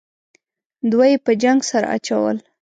دوه یې په جنگ سره اچول.